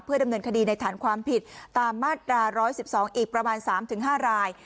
ดำเนินคดีในฐานความผิดตามมาตรา๑๑๒อีกประมาณ๓๕ราย